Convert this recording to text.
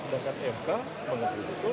sedangkan mk mengunduh itu